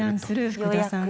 福田さん